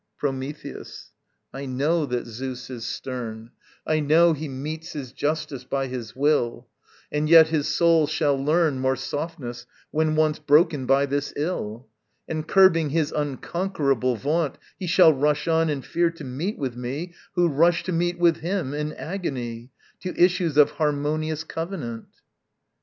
Prometheus. I know that Zeus is stern; I know he metes his justice by his will; And yet, his soul shall learn More softness when once broken by this ill: And curbing his unconquerable vaunt He shall rush on in fear to meet with me Who rush to meet with him in agony, To issues of harmonious covenant.